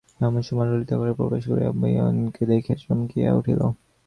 এমন সময় ললিতা ঘরে প্রবেশ করিয়াই বিনয়কে দেখিয়া চমকিয়া উঠিল।